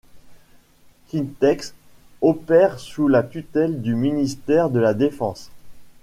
Kintex opère sous la tutelle du ministère de la défense.